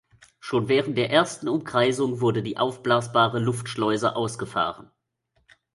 Schon während der ersten Umkreisung wurde die aufblasbare Luftschleuse ausgefahren.